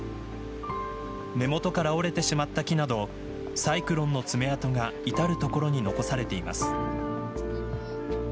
根本から折れてしまった木などサイクロンの爪痕が至る所に残されています。